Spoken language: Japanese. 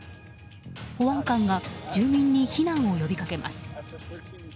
保安官が住民に避難を呼びかけます。